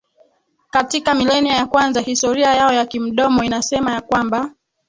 Katika milenia ya kwanza historia yao ya kimdomo inasema ya kwamba